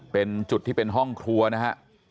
เป็นจุดที่เป็นห้องครัวนะฮะ